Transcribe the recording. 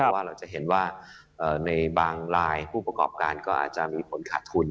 ว่าเราจะเห็นว่าในบางรายผู้ประกอบการก็อาจจะมีผลขาดทุน